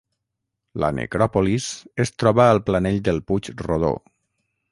La necròpolis es troba al planell del Puig Rodó.